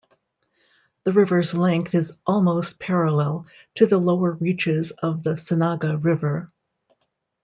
The river's length is almost parallel to the lower reaches of the Sanaga River.